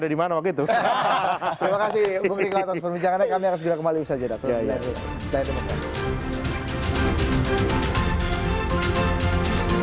bersama kita bareng bareng bisa juga nih